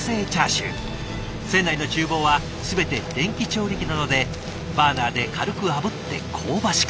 船内のちゅう房は全て電気調理器なのでバーナーで軽くあぶって香ばしく。